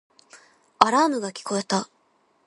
アラームが聞こえた